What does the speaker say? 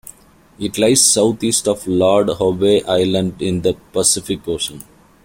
It lies southeast of Lord Howe Island in the Pacific Ocean.